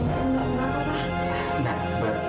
enggak enggak pak